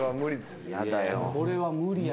これは無理や。